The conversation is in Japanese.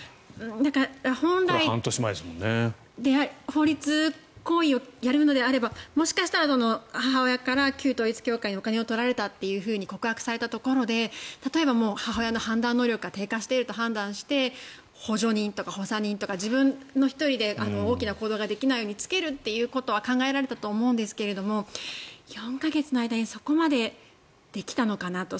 法律行為をやるのであればもしかしたら母親から旧統一教会にお金を取られたというふうに告白されたところで例えば、母親の判断能力が低下していると判断して補助人とか補佐人とか自分１人で大きな行動ができないようにつけるということは考えられたと思うんですが４か月の間にそこまでできたのかなと。